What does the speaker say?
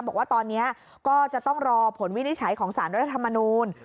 บอกว่าตอนนี้ก็ต้องรอผลวินิจฉัยสารรัฐมานูล